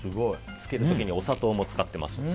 漬ける時にお砂糖も使っていますのでね。